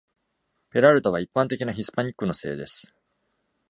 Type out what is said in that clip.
ペラルタは一般的なヒスパニックの姓です。